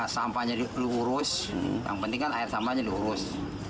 sampahnya diurus yang penting kan air sampahnya diurus